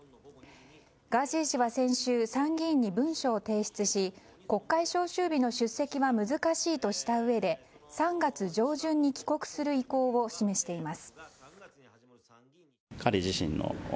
ガーシー氏は先週参議院に文書を提出し国会召集日の出席は難しいとしたうえで３月上旬に帰国する意向を示しています。